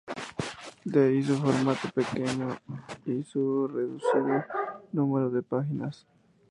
De ahí su formato pequeño y su reducido número de páginas.